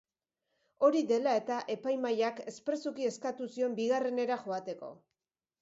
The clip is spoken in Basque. Hori dela eta, epaimahaiak espresuki eskatu zion bigarrenera joateko.